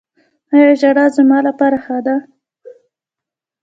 ایا ژړا زما لپاره ښه ده؟